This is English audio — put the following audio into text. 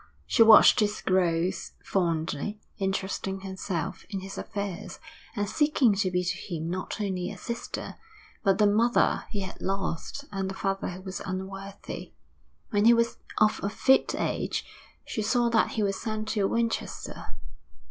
She watched his growth fondly, interesting herself in his affairs, and seeking to be to him not only a sister, but the mother he had lost and the father who was unworthy. When he was of a fit age she saw that he was sent to Winchester.